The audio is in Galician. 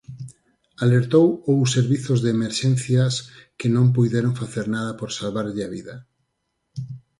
Alertou ou servizos de emerxencias que non puideron facer nada por salvarlle a vida.